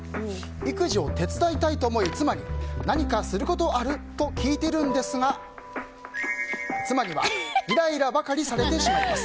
育児を手伝いたいと思い妻に、何かすることある？と聞いているんですが、妻にはイライラばかりされてしまいます。